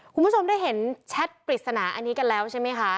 คุณผู้ชมได้เห็นแชทปริศนาอันนี้กันแล้วใช่ไหมคะ